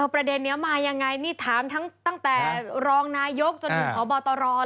ประเด็นนี้มายังไงนี่ถามตั้งแต่รองนายกจนถูกเขาบอตรอเลย